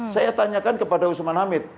saya tanyakan kepada usman hamid